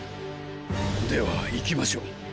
では行きましょう。